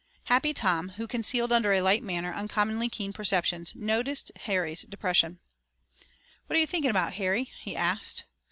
Happy Tom, who concealed under a light manner uncommonly keen perceptions, noticed Harry's depression. "What are you thinking about, Harry?" he asked.